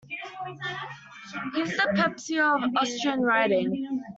He's the Pepsi of Austrian writing.